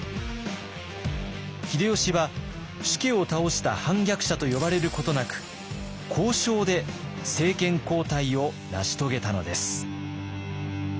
秀吉は主家を倒した反逆者と呼ばれることなく交渉で政権交代を成し遂げたのです。